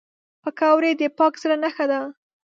پکورې د پاک زړه نښه ده